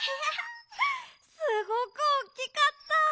すごくおっきかった！